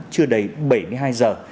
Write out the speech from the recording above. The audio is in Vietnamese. chưa đầy bảy mươi hai giờ